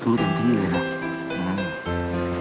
สู้นะลูก